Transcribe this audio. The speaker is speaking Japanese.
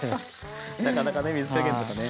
なかなかね水加減とかね。